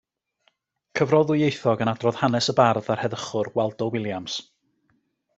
Cyfrol ddwyieithog yn adrodd hanes y bardd a'r heddychwr Waldo Williams.